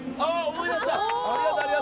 思い出した！